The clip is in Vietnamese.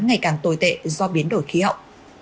ngày càng tồi tệ do biến đổi khí hậu